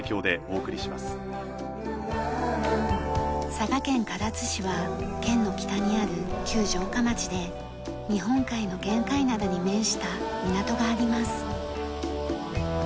佐賀県唐津市は県の北にある旧城下町で日本海の玄界灘に面した港があります。